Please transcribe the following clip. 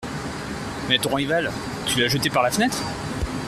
Mais ton rival, tu l’as jeté par la fenêtre ?…